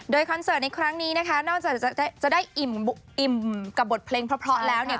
โดยคอนเสิร์ตในครั้งนี้นะคะนอกจากจะได้อิ่มกับบทเพลงเพราะแล้วเนี่ย